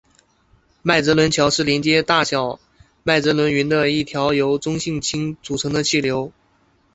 麦哲伦桥是连接大小麦哲伦云的一条由中性氢组成的气流。